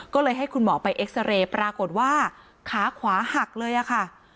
ก็เลยให้คุณหมอไปเอ็กซาเรย์ปรากฏว่าขาขวาหักเลยอะค่ะ